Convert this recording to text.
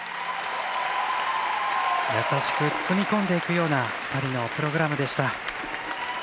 優しく包み込んでいくような２人のプログラムでした。